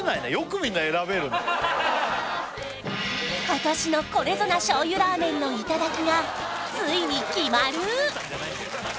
今年のこれぞな醤油ラーメンの頂がついに決まる！